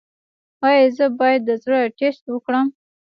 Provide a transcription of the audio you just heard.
ایا زه باید د زړه ټسټ وکړم؟